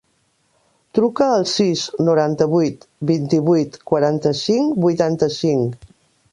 Truca al sis, noranta-vuit, vint-i-vuit, quaranta-cinc, vuitanta-cinc.